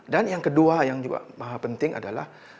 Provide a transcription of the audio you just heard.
dan yang kedua yang juga maha penting adalah